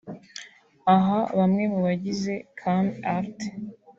Aha bamwe mu bagize Kaami Arts